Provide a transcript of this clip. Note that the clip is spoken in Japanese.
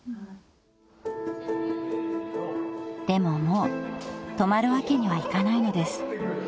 ［でももう止まるわけにはいかないのです］